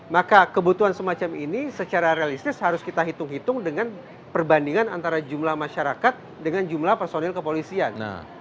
maka kebutuhan semacam ini secara realistis harus kita hitung hitung dengan perbandingan antara jumlah masyarakat dengan jumlah personil kepolisian